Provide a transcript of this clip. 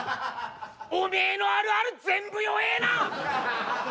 おめえのあるある全部弱えな！